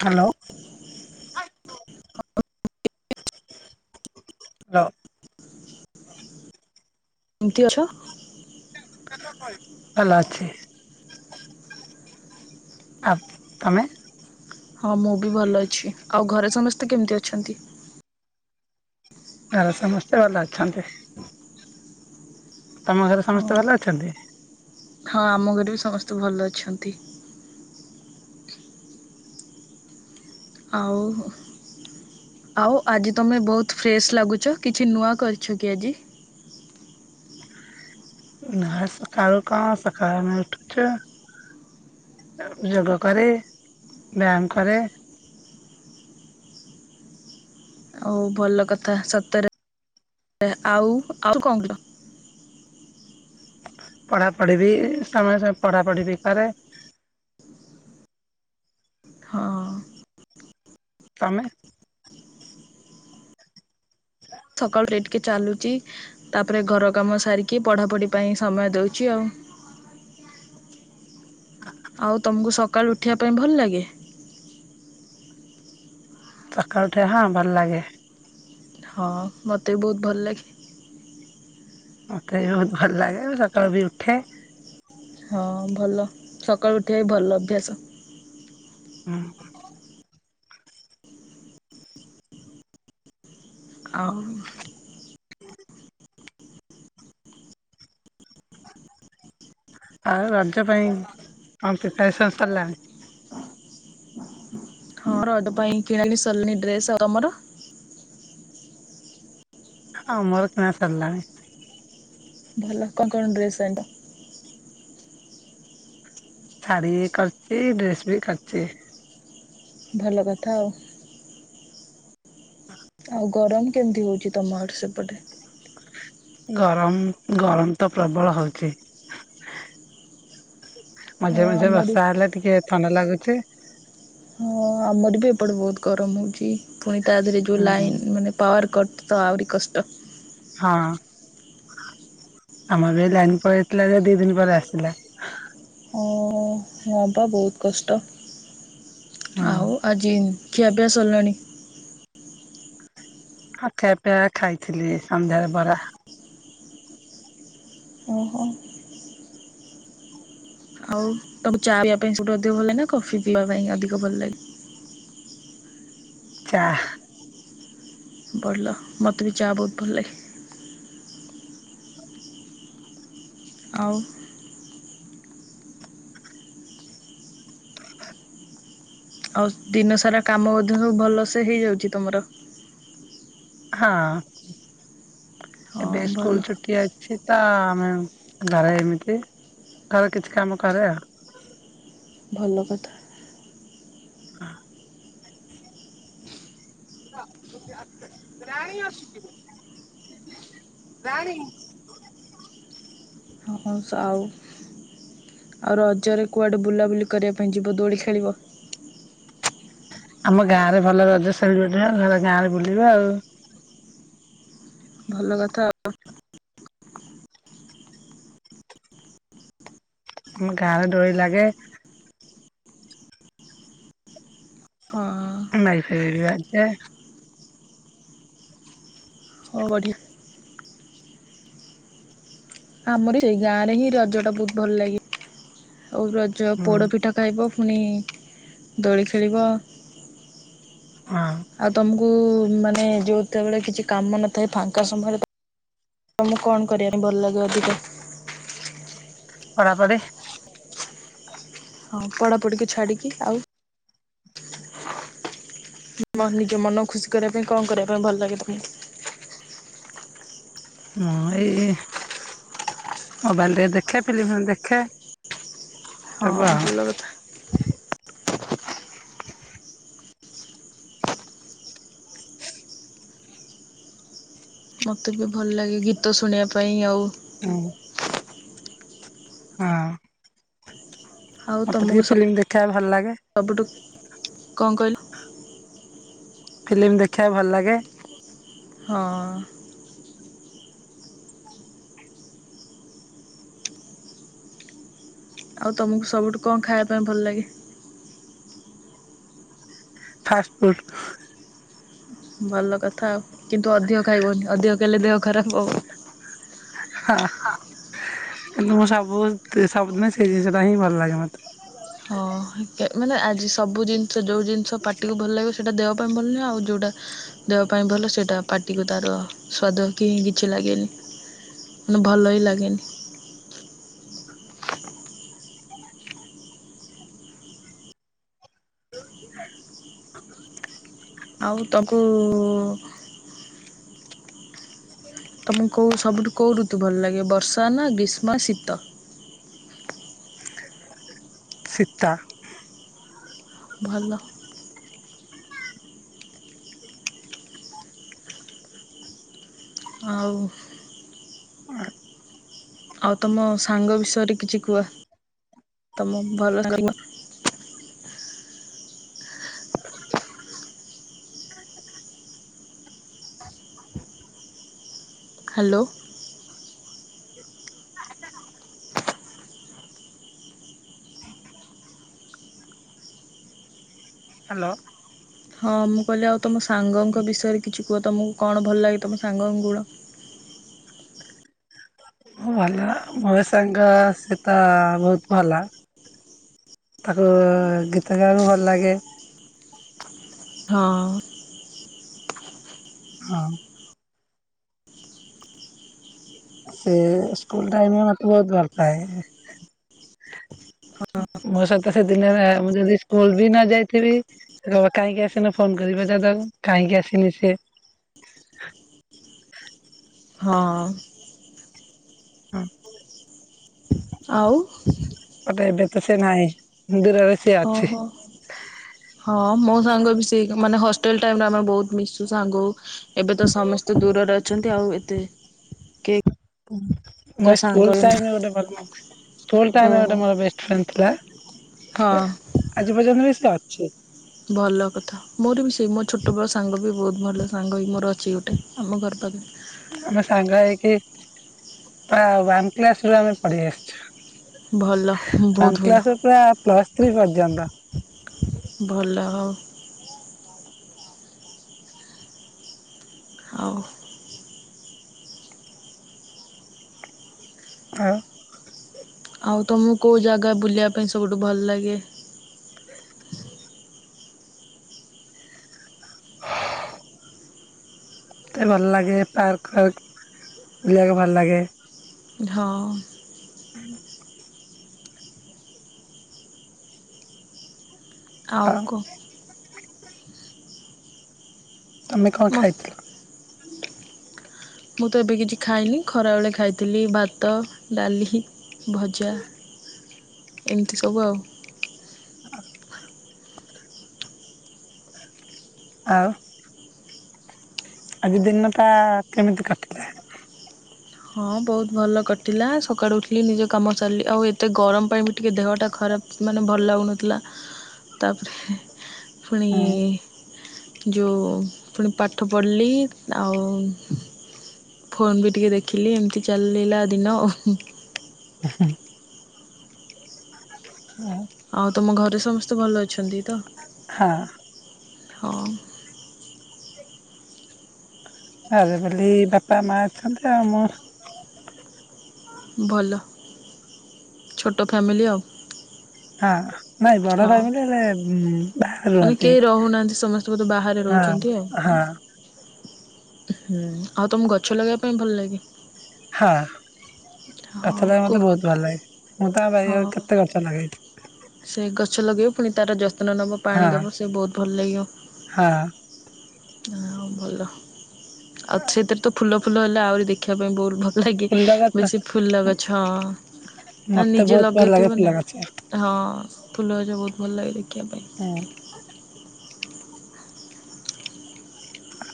Hello. Hello. କେମିତି ଅଛ? ଭଲ ଅଛି। ଆଉ ତମେ? ହଁ ମୁଁ ବି ଭଲ ଅଛି ଆଉ ଘରେ ସମସ୍ତେ କେମିତି ଅଛନ୍ତି? ଆଉ ସମସ୍ତେ ଭଲ ଅଛନ୍ତି। ତମ ଘରେ ସମସ୍ତେ ହଁ ଭଲ ଅଛନ୍ତି? ହଁ ଆମ ଘରେ ବି ସମସ୍ତେ ଭଲ ଅଛନ୍ତି। ଆଉ? ଆଉ ଆଜି ତୁମେ ବହୁତ ଫ୍ରେଶ ଲାଗୁଛ କିଛି ନୂଆ କରିଛ କି ଆଜି? ଆଉ କଣ ସକାଳୁ କଣ ସକାଳୁ ଉଠୁଛ? ହଁ ଯେ ଯୋଗ କରେ ବ୍ୟାୟାମ କରେ। ହଉ ଭଲ କଥା ସତରେ ଆଉ ଆଉ କଣ କଲ? ପଢାପଢି ବି ସମୟ ସମୟ ପଢାପଢି ବି କରେ। ହଁ। ତମେ ସକାଳୁ ରେ ଟିକେ ଚାଲୁଚି। ତାପରେ ଘର କାମ ସାରିକି ପଢ଼ାପଢ଼ି ପାଇଁ ସମୟ ଦେଉଛି ଆଉ। ଆଉ ତମକୁ ସକାଳୁ ଉଠିବା ପାଇଁ ଭଲ ଲାଗେ। ସକାଳେ ଉଠେ ହଁ ଭଲ ଲାଗେ। ହଁ ମୋତେ ବି ବହୁତ ଭଲ ଲାଗେ। ମୋତେ ବି ବହୁତ ଭଲ ଲାଗେ ମୁ ସକାଳୁ ବି ଉଠେ। ହଁ ଭଲ ସକାଳୁ ଉଠିବା ବି ଭଲ ଅଭ୍ୟାସ। ହୁଁ। ଆଉ ଆଉ ରଜ ପାଇଁ କଣ ପିପାରସନ ସରିଲାଣି। ହଁ ରଜ ପାଇଁ କିଣାବି ସରିଲାଣି ଡ୍ରସ ତମର। ଆମର କିଣା ସରଲାଣି। ଭଲ କଁ କଣ ଡ୍ରେସ ଆଣିଲ। ଶାଢ଼ୀ କରଚି ଡ୍ରେସ ବି କରିଚି। ଭଲ କଥା ଆଉ। ଆଉ ଗରମ କେମତି ହଉଚି ତମ ଆଡେ ସେପଟେ। ଗରମ ଗରମ ତ ପ୍ରବଳ ହଉଚି। ହଁ ମଝିରେ ମଝିରେ ଆମରି ବର୍ଷା ହେଲେ ଟିକେ ଥଣ୍ଡା ଲାଗୁଛି। ହଁ ଆମର ବି ଏପଟେ ବହୁତ ଗରମ ହଉଛି ଫୁଣି ତା ଦେହେରେ ଯୋଉ ହୁଁ। ଲାଇନ ଉଁ ମାନେ ପାୱାର କଟ୍ ତ ଆଉରି କଷ୍ଟ। ହଁ ଆମର ବି ଲାଇନ ପଳେଇଥିଲା ଯେ ଦି ଦିନି ପରେ ଆସିଲା। ଓହୋ। ହଁ ପା ବୋହୁତ କଷ୍ଟ ହୁଁ ଆଉ ଆଜି ଉଁ ଖିଆପିଆ ସରଲାଣି। ହଁ କ୍ଷାପିଆ ଖାଇଥିଲି ସନ୍ଧ୍ୟାରେ ବରା ଓହୋ। ଆଉ ତବୁ ଚା ପିଇଆ ପାଇଁ ସବୁଠୁ ଅଧିକ ଭଲ ଲାଗେ ନା କଫି ପିଇବା ପାଇଁ ଅଧିକ ଭଲ ଲାଗେ। ଚା ହା। ଭଲ ମତେ ବି ଚା ବୋହୁତ ଭଲ ଲାଗେ। ଆଉ ଆଉ ଦିନ ସାରା କାମ ମଧ୍ୟ ସବୁ ଭଲସେ ହେଇଯାଉଛି ତମର। ହଁ ହଁ ଏବେ ଭଲ ସ୍କୁଲ ଛୁଟି ଅଛି। ତ ଅ ଆମେ ଘରେ ଏମିତି ଘରେ କିଛି କାମ କରେ ଆଉ। ଭଲ କଥା। ହଁ। ରାଣୀ ଅଛୁ କିବେ ରାଣୀ। ହଁ ସ ଆଉ ଆଉ ରଜରେ କୁଆଡ଼େ ବୁଲାବୁଲି କରିଆ ପାଇଁ ଯିବ ଦୋଳି ଖେଳିବ? ଆମ ଗାଁ ରେ ଭଲ ରଜ ସେଲିବ୍ରେଟ ନା ଘର ଗାଁ ରେ ବୁଲିବେ ଆଉ। ଭଲ କଥା। ଆଉ ଆମ ଗାଁରେ ଡୋରି ଲାଗେ। ହଁ। ଆଁ ମାଇକ ଫାଇକ ବି ବାଜେ। ହଁ ବଢ଼ିଆ। ଆମରବି ସେଇ ଗାଁ ରେ ହିଁ ରଜ ଟା ବହୁତ ଭଲ ଲାଗେ। ଆଉ ରଜ ହୁଁ। ପୋଡପିଠା କାଇବ ଫୁନି ଦୋଳି ଖେଳିବ। ହଁ ଆଉ ତମୁକୁ ମାନେ ଯେଉତ ବେଳେ କିଛି କାମ ନଥାଏ ଫାଙ୍କା ସମୟରେ ତମୁକୁ କଣ କରିଆ ପାଇଁ ଭଲ ଲାଗେ ଅଧିକ? ପଢ଼ାପଢ଼ି ହଁ ପଡ଼ାପଡ଼ି କି ଛାଡ଼ିକି ଆଉ ନି ମ ନିଜ ମନ ଖୁସି କରିଆ ପାଇଁ କଣ କରିଆ ପାଇଁ ଭଲ ଲାଗେ ତମୁକୁ? ମୁଁ ଏଇ ମୋବାଇଲ ଟିକେ ଦେଖେ ଫିଲିମି ଦେଖେ। ହଁ ସବୁ ଆଉ। ଭଲ କଥା। ମୋତେ ବି ଭଲ ଲାଗେ ଗୀତ ଶୁଣିଆ ପାଇଁ ଆଉ ହଁ ହଁ ଆଉ ମତେ ତମକୁ ଟିକେ ଫିଲିମ ଦେଖିଆ ଭଲ ଲାଗେ। ସବୁଠୁ କଁ କଇଲୁ? ଫିଲ୍ମ ଦେଖିବାକୁ ଭଲ ଲାଗେ। ହଁ ଅଁ ଆଉ ତମୁକୁ ସବୁଠୁ କଁ ଖାଇଆ ପାଇଁ ଭଲ ଲାଗେ? ଫାଷ୍ଟ ଫୁଡ୍ ଭଲ କଥା କିନ୍ତୁ ଅଧିକ ଖାଇବନି ଅଧିକ ଖାଇଲେ ଦେହ ଖରାପ ହବ। ହ କିନ୍ତୁ ମୁଁ ସବୁ ସବୁଦିନେ ସେଇ ଜିନିଷଟା ହିଁ ଭଲ ଲାଗେ ମତେ। ହଁ ମାନେ ଆଜି ସବୁ ଜିନିଷ ଯୋଉ ଜିନିଷ ପାଟିକୁ ଭଲ ଲାଗିବ ସେଇଟା ଦେହ ପାଇଁ ଭଲ ନୁହେଁ, ଆଉ ଯୋଉଟା ଦେହ ପାଇଁ ଭଲ ସେଇଟା ପାଟିକୁ ତାର ସ୍ଵାଦ କି କିଛି ଲାଗେନି। ମାନେ ଭଲ ହିଁ ଲାଗେନି। ଆଉ ତପୁ ତମକୁ କୋଉ ସବୁଠୁ କୋଉ ଋତୁ ଭଲ ଲାଗେ ବର୍ଷା ନା ଗ୍ରୀଷ୍ମ, ଶୀତ? ଶୀତ ଭଲ ଆଉ ଆଉ ତମ ସାଙ୍ଗ ବିଷୟରେ କିଛି କୁହ। ତମ ଭଲ [unintelligible] ହ୍ୟାଲୋ ହ୍ୟାଲୋ ହଁ ମୁଁ କହିଲି ଆଉ ତମ ସାଙ୍ଗଙ୍କ ବିଷୟରେ କିଛି କୁହ। ତମକୁ କଣ ଭଲ ଲାଗେ ତମ ସାଙ୍ଗଙ୍କ ଗୁଣ? ଭଲ ମ ସାଙ୍ଗ ସେତ ବହୁତ ଭଲ। ତାକୁ ଗୀତ ଗାଇବାକୁ ଭଲ ଲାଗେ। ହଁ ହଁ ସେ ସ୍କୁଲ ଟାଇମ ମତେ ବହୁତ ଭଲପାଏ। ହା ମୋ ସହିତ ସେ ଦିନେ ମୁଁ ଯଦି ସ୍କୁଲ ବି ନ ଯାଇଥିବି କହିଁକି ଆସିନୁ ଫୋନ କରିବେ ଦାଦା କାହିଁକି ଆସିନି ସେ ହଁ ହଁ ଆଉ ବଟ ଏବେ ତ ସିଏ ନାହିଁ। ଦୂରରେ ସିଏ ଅଛି ଓହୋ। ହଁ ମୋ ସାଙ୍ଗ ବି ସେ ମାନେ ହଷ୍ଟେଲ ଟାଇମରେ ଆମେ ବହୁତ ମିଶୁ ସାଙ୍ଗ ହୋଉ। ଏବେ ତ ସମସ୍ତେ ଦୂରରେ ଅଛନ୍ତି ଆଉ ଏତେ କେହି କା ମୁଇ ସାଙ୍ଗ ସ୍କୁଲ ହେଇନା ଟାଇମ୍ ରେ ଗୋଟେ [unintelligible] ସ୍କୁଲ୍ ଟାଇମ୍‌ରେ ଓହୋ ଗୋଟେ ମୋର ବେଷ୍ଟ ଫ୍ରେଣ୍ଡ ଥିଲା ହଁ ଆଜି ପର୍ଯ୍ୟନ୍ତ ବି ସେ ଅଛି। ଭଲ କଥା ମୋର ବି ସେଇ ମୋ ଛୋଟବେଳ ସାଙ୍ଗ ବି ବହୁତ ଭଲ ସାଙ୍ଗ ହୋଇ ମୋର ଅଛି ଗୋଟେ। ଆମ ଘର ପାଖେ। ଆମେ ସାଙ୍ଗ ହେଇକି ପ୍ରାୟ ୱାନ୍ କ୍ଲାସ୍ ରୁ ଆମେ ପଢ଼ି ଆସିଛୁ। ଭଲ ବହୁତ ୱାନ୍ ଭଲ କ୍ଲାସ୍ ରୁ ପୁରା ପ୍ଲସ ଥ୍ରୀ ପର୍ଯ୍ୟନ୍ତ। ଭଲ ଆଉ। ହଉ। ଆଉ ଆଉ ତମକୁ କଉ ଜାଗା ବୁଲିବା ପାଇଁ ସବୁଠୁ ଭଲ ଲାଗେ? [inaudible] ମତେ ଭଲ ଲାଗେ ପାର୍କ ଫାର୍କ ବୁଲିବାକୁ ଭଲ ଲାଗେ। ହଁ। ହୁଁ। ଆଉ କ ତମେ କଁ ମ ଖାଇଥିଲ? ମୁଁ ତ ଏବେ କିଛି ଖାଇନି ଖରାବେଳେ ଖାଇଥିଲି ଭାତ ଡାଲି ଭଜା ଏମିତି ସବୁ ଆଉ। ହ। ଆଉ। ଆଜି ଦିନ ଟା କେମିତି କଟିଲା? ହଁ ବହୁତ ଭଲ କଟିଲା ସକାଳୁ ଉଠିଲି ନିଜ କାମ ସାରିଲିି ଆଉ ଏତେ ଗରମ ପାଇଁ ଟିକେ ଦେହଟା ଖରାପ ମାନେ ଭଲ ଲାଗୁନଥିଲା। ତାପରେ ହେ ପୁଣି ହୁଁ ଯୋଉ ପୁଣି ପାଠ ପଢ଼ିଲି ଆଉ ଫୋନ୍ ବି ଟିକେ ଦେଖିଲି ଏମିତି ଚାଲିଲା ଦିନ। [unintelligible] ହଁ। ଆଉ ତମ ଘରେ ସମସ୍ତେ ଭଲ ଅଛନ୍ତି ତ ହଁ ହଁ। ଘରେ ଖାଲି ବାପା ମା ଅଛନ୍ତି ଆଉ ମୁଁ। ଭଲ ଛୋଟ ଫ୍ୟାମିଲି ଆଉ। ହଁ, ନାଇଁ ବଡ଼ ହଁ ଫ୍ୟାମିଲି ହେଲେ ବାହାରେ ମାନେ ରୁହନ୍ତି କେହି ରହୁନାହାନ୍ତି ସମସ୍ତେ ବୋଧେ ବାହାରେ ରହୁଛନ୍ତି ଆଉ। ହଁ ହଁ। ହୁଁ ଆଉ ତମକୁ ଗଛ ଲଗେଇବା ପାଇଁ ଭଲ ଲାଗେ? ହଁ ହଁ ଗଛ ଲଗେଇବା ପାଇଁ କୁ ମତେ ବହୁତ ଭଲ ଲାଗେ ମୁଁ ତ ଆମ ହଁ ବାରିରେ କେତେ ଗଛ ଲାଗେଇଚି। ସେ ଗଛ ଲଗେଇବ ପୁଣି ତାର ଯତ୍ନ ନବ ପାଣି ହଁ ଦବ ସେ ବହୁତ ଭଲ ଲାଗିବ। ହଁ। ହଁ ଭଲ ଆଉ ସେଇତିରେ ତ ଫୁଲ ଫୁଲ ହେଲେ ଆହୁରି ଦେଖିବା ପାଇଁ ବହୁତ ଭଲ ଲାଗେ ଫୁଲ ଗଛ ବେଶୀ ଫୁଲ ଗଛ ମାନେ ମତେ ନିଜେ ବହୁତ ଭଲ ଲାଗେ ଲଗେଇଥିବୁ ଫୁଲ ନା। ଗଛ। ହଁ ଫୁଲଗଛ ବହୁତ ଭଲ ଲାଗେ ଦେଖିବା ପାଇଁ। ହଁ।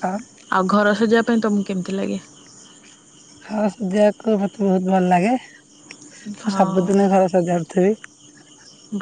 ଆ ଆଉ ଘର ସଜେଇବା ପାଇଁ ତମକୁ କେମିତି ଲାଗେ? ହଁ ସଯେଇବାକୁ ମତେ ବହୁତ ଭଲ ଲାଗେ। ମୁଁ ହଁ ସବୁଦିନ ଘର ସଜାଡୁଥିବି।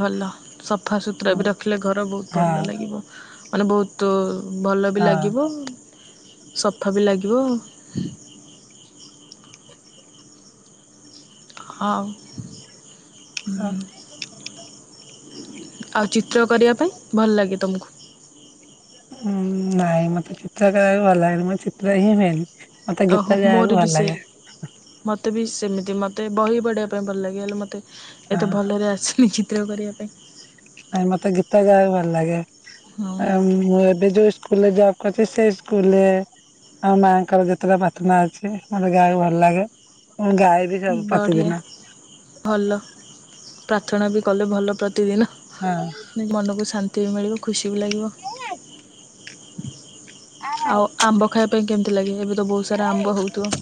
ଭଲ। ସଫା ସୁୁତୁରା ହଁ ବି ରଖିଲେ ଘର ବହୁତ ଭଲ ହଁ ଲାଗିବ ମାନେ ବହୁତ ଭଲ ବି ଲାଗିବ ସଫା ବି ଲାଗିବ। ଆଉ ହଁ ହୁଁ। ଆଉ ଚିତ୍ର କରିବା ପାଇଁ ଭଲ ଲାଗେ ତମକୁ? ହୁଁ ନାଇଁ ମତେ ଚିତ୍ର କରିବାକୁ ଭଲ ଲାଗେନି ମୋର ଚିତ୍ର ହିଁ ହୁଏନି। ମତେ ଗୀତ ଗାଇବାକୁ ଭଲ ଲାଗେ। ମତେ ବି ସେମିତି ମତେ ବହି ପଢେଇିବା ପାଇଁ ଭଲ ଲାଗେ ହେଲେ ମତେ ଏତେ ହଁ ଭଲରେ ଆସେନି ଚିତ୍ର କରିବା ପାଇଁ ନାଇଁ ମତେ ଗୀତ ଗାଇବାକୁ ଭଲ ଲାଗେ ହଁ ଆଉ ମୁଁ ଏବେ ଯୋଉ ସ୍କୁ ହେଲେ ଜବ୍ କରୁଚି ସେ ସ୍କୁଲରେ ଆମ ମାଆଙ୍କର ଯେତେଟା ପ୍ରାର୍ଥନା ଅଛି ମୋତେ ଗାଇବାକୁ ଭଲ ଲାଗେ ମୁ ଗାଏ ବି ସବୁ ବଢ଼ିଆ ପ୍ରତିଦିନ ଭଲ ପ୍ରାର୍ଥନା ବି କଲେ ଭଲ ପ୍ରତିଦିନ ହଁ। ମନକୁ ଶାନ୍ତି ମିଳିବ ଖୁସି ବି ଲାଗିବ। ଆଉ ଆମ୍ବ ଖାଇବା ପାଇଁ କେମିତି ଲାଗେ ଏବେ ତ ବହୁତ ସାରା ଆମ୍ବ ହେଉଥିବ।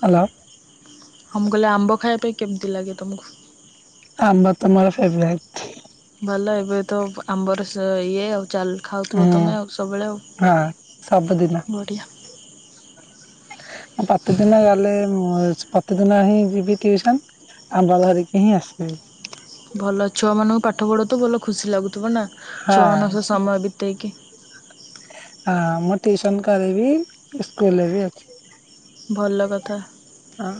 ହ୍ୟାଲୋ। ହଁ ମୁଁ କହିଲା ଆମ୍ବ ଖାଇବା ପାଇଁ କେମିତି ଲାଗେ ତମକୁ? ଆମ୍ବା ତ ମୋର ଫେବରାଇଟ୍। ଭଲ ଏବେ ତ ଆମ୍ବର ଇଏ ଆଉ ଚାଲ ଖାଉଥିବ ହୁଁ ତୁମେ ଆଉ ସବୁବେଳେ ହଁ ସବୁଦିନ ବଢ଼ିଆ। ପ୍ରତିଦିନ ଗଲେ ପ୍ରତିଦିନ ହିଁ ଯିବି ଟ୍ୟୁସନ୍। ଆମ୍ବ ଧରିକି ହିଁ ଆସିବି। ଭଲ ଛୁଆମାନଙ୍କୁ ପାଠ ପଢଉଥିବୁ ତୁ ଭଲ ଖୁସି ଲାଗୁଥିବ ନା ହଁ ଛୁଆମାନାଙ୍କ ସହ ସମୟ ବିତେଇକି ହଁ ମୁଁ ଟିଉସନ୍ କରିବି ସ୍କୁଲରେ ବି ଅଛି। ଭଲ କଥା। ହଁ।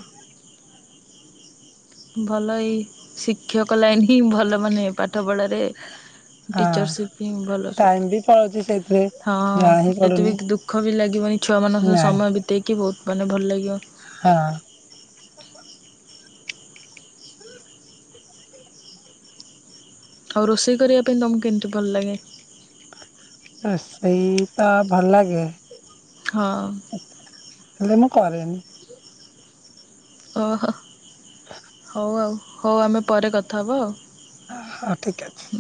ଭଲ ଏଇ ଶିକ୍ଷକ ଲାଆଇନ ହିଁ ଭଲ ମାନେ ପାଠ ପଢ଼ାରେ। ହଁ ଟିଚରସିପ ହି ଭଲ ଟାଇମ ସବ ବି ପଳଉଛି ସେଇଥିରେ ହଁ ଜଣା ହିଁ ଏତେ ପଡୁନି ବି ଦୁ ଦୁଖ ବି ଲାଗିବନି ଛୁଆମାନଙ୍କ ସହତ ନାଇଁ ସମୟ ବିତେଇକି ବହୁତ ମାନେ ଭଲ ଲାଗିବ। ହଁ। ଆଉ ରୋଷେଇ କରିବା ପାଇଁ ତମକୁ କେମିତି ଭଲ ଲାଗେ? ରୋଷେଇ ତ ଭଲ ଲାଗେ। ହଁ। ହେଲେ ମୁଁ କରେନି। ଓହୋ ହଉ ଆଉ ହଉ ଆମେ ପରେ କଥା ହେବ ଆଉ। ହ ଠିକ୍ ଅଛି।